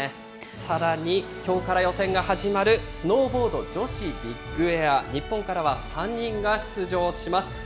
さらに、きょうから予選が始まるスノーボード女子ビッグエア、日本からは３人が出場します。